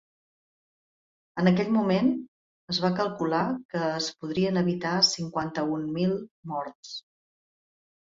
En aquell moment, es va calcular que es podrien evitar cinquanta-un mil morts.